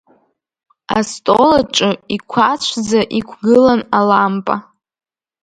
Астол аҿы иқәацәӡа иқәгылан алампа.